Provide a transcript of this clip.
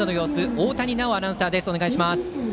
大谷奈央アナウンサーです。